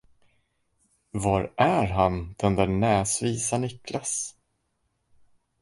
Var är han, den där näsvisa Niklas?